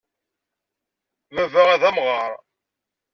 Baba ad amɣar.